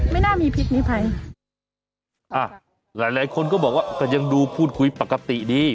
ไม่น่ามีพิษมีภัยอ่ะหลายหลายคนก็บอกว่าก็ยังดูพูดคุยปกติดี